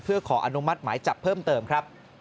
เพื่อขออนุมัติหมายจับเพิ่มเติมครับ